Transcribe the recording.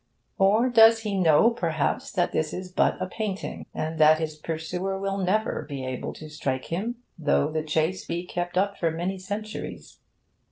Or does he know perhaps that this is but a painting, and that his pursuer will never be able to strike him, though the chase be kept up for many centuries?